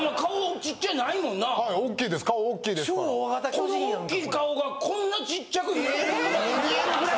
この大きい顔がこんなちっちゃく見えるぐらい。